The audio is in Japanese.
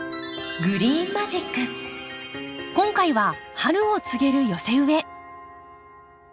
今回は春を告げる寄せ植え。